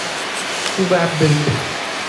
Two were built.